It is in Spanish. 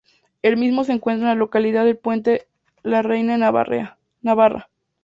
El mismo se encuentra en la localidad de Puente la Reina en Navarra.